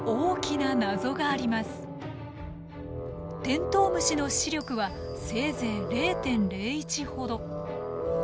テントウムシの視力はせいぜい０．０１ほど。